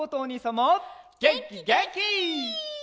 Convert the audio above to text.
げんきげんき！